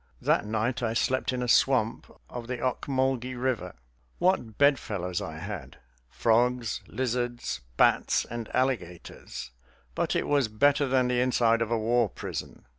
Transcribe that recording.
That night I slept in a swamp of the Ocmulgee River. What bedfellows I had! frogs, lizards, bats, and alligators. But it was better than the inside of a war prison.